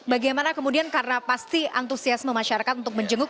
bagaimana kemudian karena pasti antusiasme masyarakat untuk menjenguk